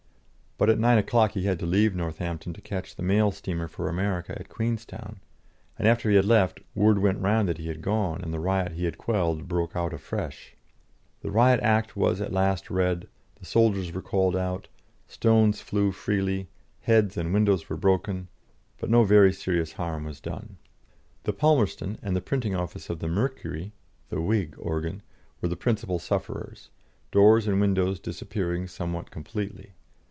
But at nine o'clock he had to leave Northampton to catch the mail steamer for America at Queenstown, and after he had left, word went round that he had gone, and the riot he had quelled broke out afresh. The Riot Act was at last read, the soldiers were called out, stones flew freely, heads and windows were broken, but no very serious harm was done. The "Palmerston" and the printing office of the Mercury, the Whig organ, were the principal sufferers; doors and windows disappearing somewhat completely.